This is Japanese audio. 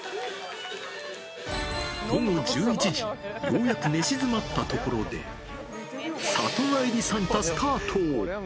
午後１１時、ようやく寝静まったところで、里帰りサンタ、スタート。